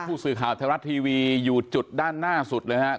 ผู้สื่อข่าวไทยรัฐทีวีอยู่จุดด้านหน้าสุดเลยครับ